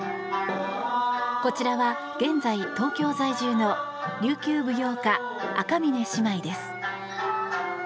こちらは現在、東京在住の琉球舞踊家、赤嶺姉妹です。